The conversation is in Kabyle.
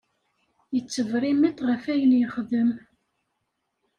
Yettebrimmiṭ ɣef ayen yexdem.